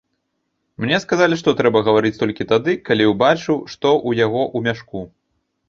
Мне сказалі, што трэба гаварыць толькі тады, калі ўбачыў, што ў яго ў мяшку.